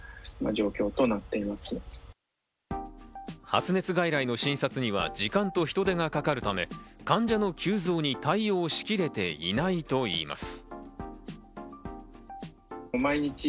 発熱外来の診察には時間と人手がかかるため患者の急増に対応しきれていないと言います。